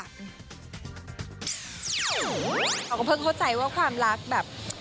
เขาก็เพิ่งเข้าใจว่าความรักแบบ